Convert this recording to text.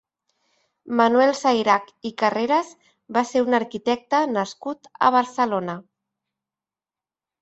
Manuel Sayrach i Carreras va ser un arquitecte nascut a Barcelona.